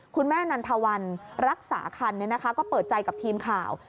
คุณแม่นันทวันรักษาคันก็เปิดใจกับทีมข่าว